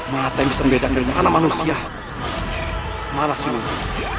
mata yang bisa membedakan anak manusia mana sih bunda